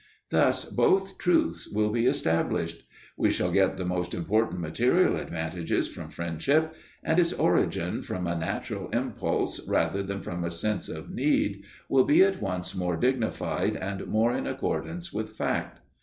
Thus both truths will be established. We shall get the most important material advantages from friendship; and its origin from a natural impulse rather than from a sense of need will be at once more dignified and more in accordance with fact.